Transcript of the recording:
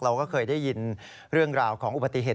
เราก็เคยได้ยินเรื่องราวของอุบัติเหตุ